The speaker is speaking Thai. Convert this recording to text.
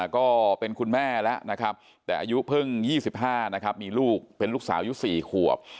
ก็เป็นคุณแม่แล้วนะครับแต่อายุเพิ่ง๒๕นะครับมีลูกเป็นลูกสาวยุค๔ขวบ